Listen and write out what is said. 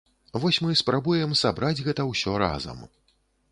Вось мы спрабуем сабраць гэта ўсё разам.